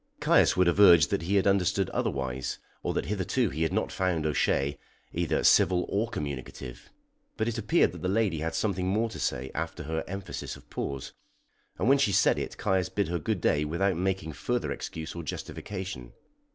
Caius would have urged that he had understood otherwise, or that hitherto he had not found O'Shea either civil or communicative; but it appeared that the lady had something more to say after her emphasis of pause, and when she said it Caius bid her good day without making further excuse or justification.